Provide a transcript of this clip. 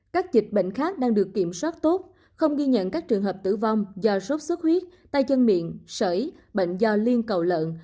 các dịch bệnh khác đang được kiểm soát tốt không ghi nhận các trường hợp tử vong do sốt xuất huyết tay chân miệng sởi bệnh do liên cầu lợn